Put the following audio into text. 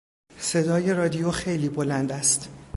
صدای رادیو خیلی بلند است.